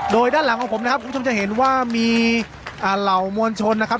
โดยด้านหลังของผมนะครับคุณผู้ชมจะเห็นว่ามีเหล่ามวลชนนะครับ